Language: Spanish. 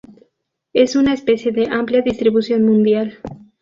Es una especie de amplia distribución mundial.